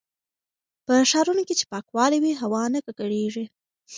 په ښارونو کې چې پاکوالی وي، هوا نه ککړېږي.